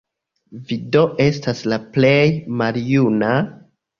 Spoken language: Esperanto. Vi do estas la plej maljuna?